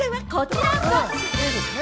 Ａですね。